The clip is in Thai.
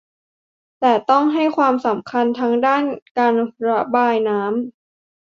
แต่ต้องให้ความสำคัญทั้งด้านการระบายน้ำ